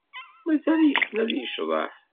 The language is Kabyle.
Mazal yessen ad yecḍeḥ?